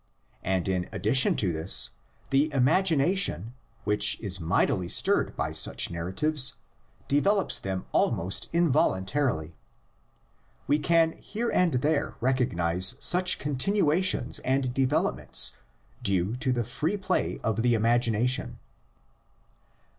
And in addition to this, the imagination, which is mightily stirred by such narratives, develops them almost involuntarily. We can here and there recognise such continuations and developments due to the free play of the imagination.